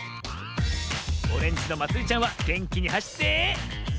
オレンジのまつりちゃんはげんきにはしって。